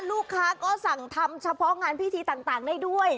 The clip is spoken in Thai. ลูกค้าก็สั่งทำเฉพาะงานพิธีต่างได้ด้วย